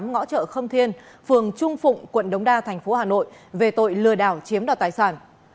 ngõ chợ khâm thiên phường trung phụng quận đống đa thành phố hà nội về tội lừa đảo chiếm đoạt tài sản